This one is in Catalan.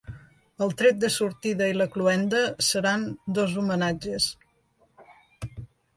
El tret de sortida i la cloenda seran dos homenatges.